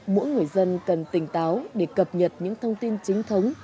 mỗi người dân cần tỉnh táo để cập nhật những thông tin chính thống